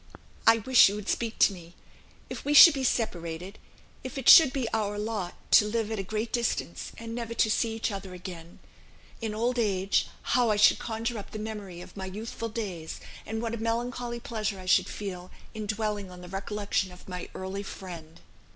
I wish you would speak to me. If we should be separated if it should be our lot to live at a great distance, and never to see each other again in old age, how I should conjure up the memory of my youthful days, and what a melancholy pleasure I should feel in dwelling on the recollection of my early friend!